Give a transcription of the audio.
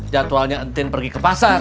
jadwalnya entin pergi ke pasar